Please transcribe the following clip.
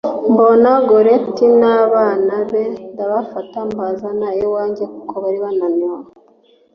mbona goretti n’abana be ndabafata mbazana iwanjye kuko bari bananiwe